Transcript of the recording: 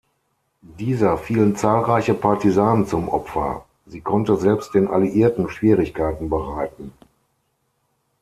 Dieser fielen zahlreiche Partisanen zum Opfer, sie konnte selbst den Alliierten Schwierigkeiten bereiten.